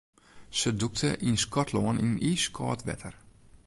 Se dûkte yn Skotlân yn iiskâld wetter.